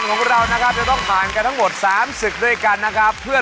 กราบสวัสดีคุณผู้ชมทางบ้านทุกครั้งนะครับ